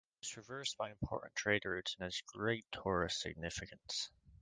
It is traversed by important trade routes and has a great tourist significance.